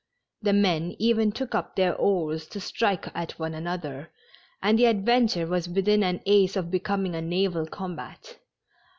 The men even took up their oars to strike at one another, and the adventure was within an ace of becoming a naval combat.